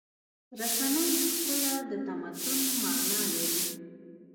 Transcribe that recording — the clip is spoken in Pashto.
رسنۍ خپله د تمدن معنی لري.